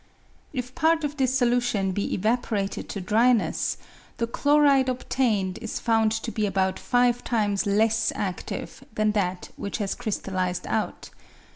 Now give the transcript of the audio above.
If part of this solution be evaporated to dryness, the chloride obtained is found to be about five times less active than that which has crystallised out.